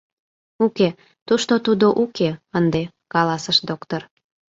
— Уке, тушто тудо уке... ынде, — каласыш доктыр.